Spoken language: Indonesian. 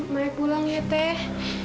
mai pulang ya teh